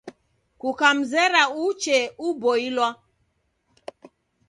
Kukamzera uchee uboilwa.